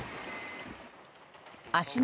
芦ノ